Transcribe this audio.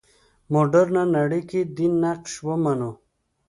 مډرنه نړۍ کې دین نقش ومنو.